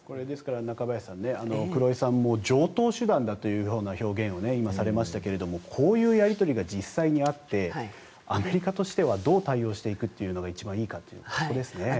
ですから、中林さん黒井さんも常とう手段だという表現をされましたがこういうやり取りが実際にあってアメリカとしてはどう対応していくのが一番いいかというそこですね。